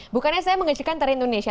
bukannya saya mengecekan tarian indonesia